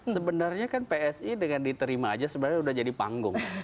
sebenarnya kan psi dengan diterima aja sebenarnya udah jadi panggung